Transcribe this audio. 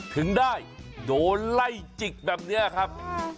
ถึงได้โดนไล่จิกแบบนี้ครับ